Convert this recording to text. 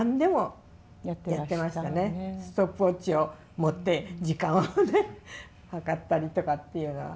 ストップウォッチを持って時間をね計ったりとかっていうのは。